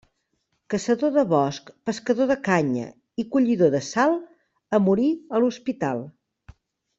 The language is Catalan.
Caçador de bosc, pescador de canya i collidor de sal, a morir a l'hospital.